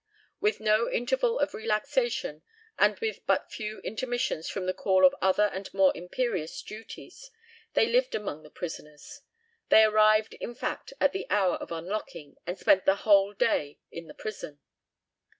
With no interval of relaxation, and with but few intermissions from the call of other and more imperious duties, they lived among the prisoners. They arrived, in fact, at the hour of unlocking, and spent the whole day in the prison.